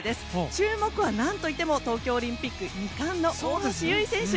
注目は何といっても東京オリンピック２冠の大橋悠依選手。